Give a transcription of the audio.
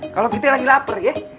kalau kita lagi lapar ya